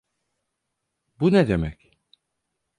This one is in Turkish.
Bu ne demek?